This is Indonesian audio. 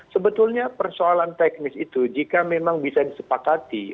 sebetulnya persoalan teknis itu jika memang bisa disepakati